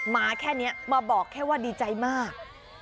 มาแค่นี้มาบอกแค่ว่าดีใจมาก